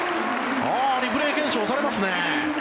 リプレー検証されますね。